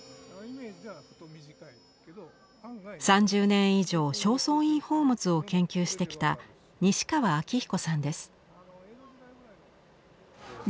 ３０年以上正倉院宝物を研究してきた西川明彦さんです。